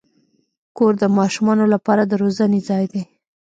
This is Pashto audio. کور د ماشومانو لپاره د روزنې ځای دی.